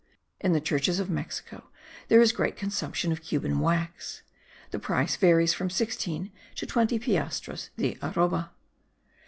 In the churches of Mexico there is a great consumption of Cuban wax. The price varies from sixteen to twenty piastres the arroba.